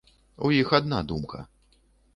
У іх адна думка.